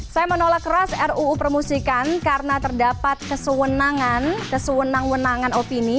saya menolak keras ruu permusikan karena terdapat kesewenangan kesewenang wenangan opini